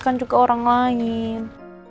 kan juga orang lain